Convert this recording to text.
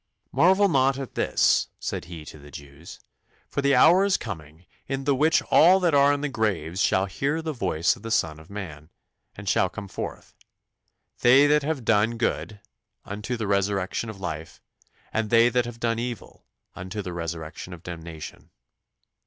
"Marvel not at this," said He to the Jews; "for the hour is coming in the which all that are in the graves shall hear the voice of the Son of man, and shall come forth; they that have done good, unto the resurrection of life; and they that have done evil, unto the resurrection of damnation."